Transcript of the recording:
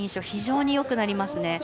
非常によくなりますね。